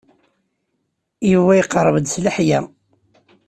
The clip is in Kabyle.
Yuba iqerreb-d s leḥya.